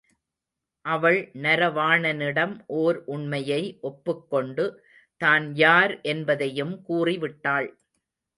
அவள் நரவாணனிடம் ஓர் உண்மையை ஒப்புக்கொண்டு தான் யார் என்பதையும் கூறிவிட்டாள்.